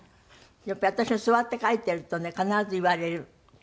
やっぱり私も座って書いてるとね必ず言われる。